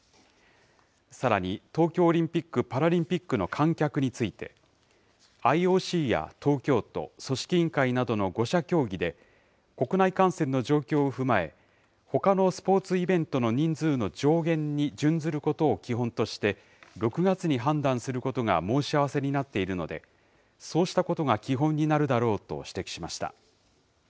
さらに、東京オリンピック・パラリンピックの観客について、ＩＯＣや東京都、組織委員会などの５者協議で、国内感染の状況を踏まえ、ほかのスポーツイベントの人数の上限に準ずることを基本として、６月に判断することが申し合わせになっているので、そうしたことが基本になるだろうと指摘しました。